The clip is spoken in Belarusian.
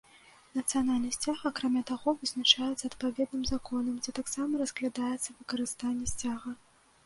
Нацыянальны сцяг, акрамя таго, вызначаецца адпаведным законам, дзе таксама разглядаецца выкарыстанне сцяга.